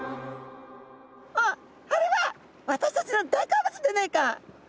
「あっあれは私たちの大好物でねえか」。